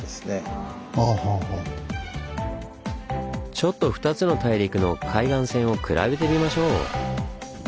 ちょっと２つの大陸の海岸線を比べてみましょう！